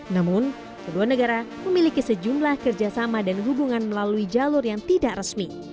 namun kedua negara memiliki sejumlah kerjasama dan hubungan melalui jalur yang tidak resmi